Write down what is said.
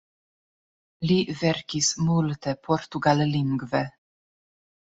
Li verkis multe portugallingve.